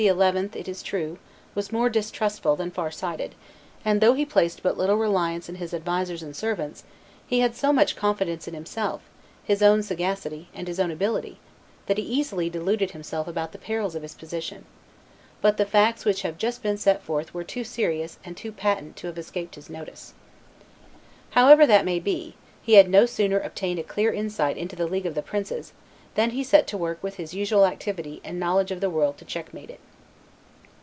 it is true, was more distrustful than far sighted, and, though he placed but little reliance in his advisers and servants, he had so much confidence in himself, his own sagacity, and his own ability, that he easily deluded himself about the perils of his position; but the facts which have just been set forth were too serious and too patent to have escaped his notice. However that may be, he had no sooner obtained a clear insight into the league of the princes than he set to work with his usual activity and knowledge of the world to checkmate it.